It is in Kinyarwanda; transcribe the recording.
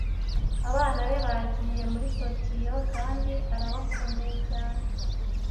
Abana be bagiye muri Tokiyo kandi arabakumbuye cyane.